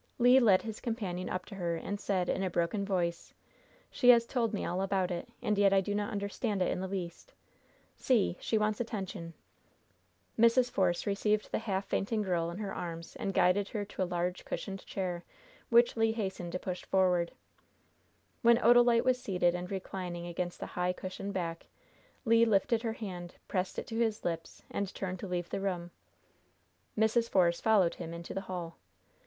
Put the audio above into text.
Le led his companion up to her and said, in a broken voice: "She has told me all about it. And yet I do not understand it in the least. See! she wants attention." Mrs. Force received the half fainting girl in her arms, and guided her to a large, cushioned chair, which Le hastened to push forward. When Odalite was seated and reclining against the high, cushioned back, Le lifted her hand, pressed it to his lips, and turned to leave the room. Mrs. Force followed him into the hall.